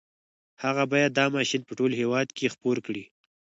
هغه بايد دا ماشين په ټول هېواد کې خپور کړي.